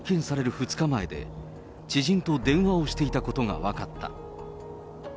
２日前で、知人と電話をしていたことが分かった。